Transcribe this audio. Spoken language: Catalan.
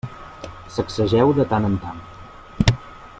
Sacsegeu de tant en tant.